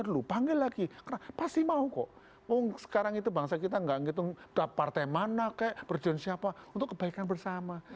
kalau perlu siapa tinggal dulu panggil lagi pasti mau kok sekarang itu bangsa kita gak ngitung partai mana kayak berjalan siapa bukan kebaikan bersama